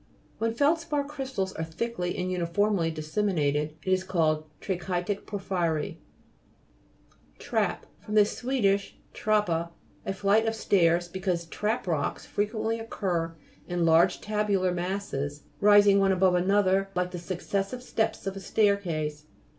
When the feldspar crystals are thickly and uniformly disseminated, it is called trachytic porphyry. TRANSITION FORMATION (p. 26). TRAP From the Sweedish trappa, a flight of stairs, because trap rocks frequently occur in large tabular masses rising one above another 234 GLOSSARY. GEOLOGY. like the successive steps of a stair case.